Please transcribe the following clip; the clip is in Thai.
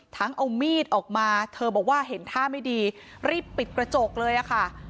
ทั้งเอามีดออกมาเธอบอกว่าเห็นท่าไม่ดีรีบปิดกระจกเลยค่ะ